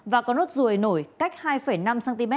và có nốt ruồi nổi cách hai năm cm